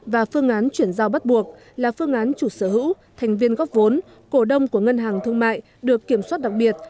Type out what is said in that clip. và phương án chuyển giao bắt buộc là phương án chủ sở hữu thành viên góp vốn cổ đông của ngân hàng thương mại được kiểm soát đặc biệt